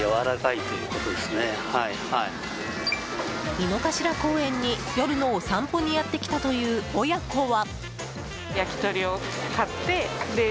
井の頭公園に夜のお散歩にやってきたという親子は。